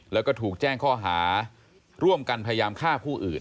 แล้วก็ถูกแจ้งข้อหาร่วมกันพยายามฆ่าผู้อื่น